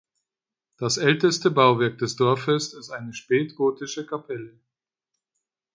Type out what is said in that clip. Das älteste Bauwerk des Dorfes ist eine spätgotische Kapelle.